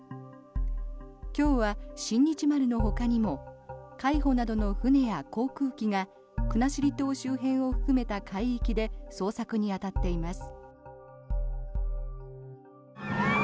今日は「新日丸」のほかにも海保などの船や航空機が国後島周辺を含めた海域で捜索に当たっています。